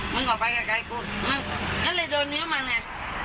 มึงออกไปกับใครกูมึงก็เลยโดนนิ้วมันแหละ